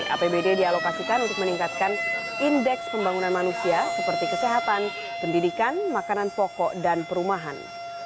apbd dialokasikan untuk meningkatkan indeks pembangunan manusia seperti kesehatan pendidikan makanan pokok dan perumahan